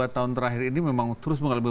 dua tahun terakhir ini memang terus mengalami